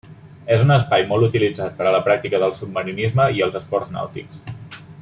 És un espai molt utilitzat per a la pràctica del submarinisme i els esports nàutics.